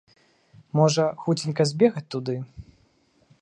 Можа, хуценька збегаць туды?